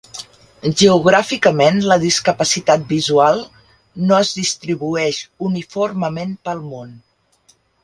Geogràficament: la discapacitat visual no es distribueix uniformement pel món.